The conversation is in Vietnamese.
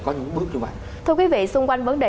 có những bước như vậy thưa quý vị xung quanh vấn đề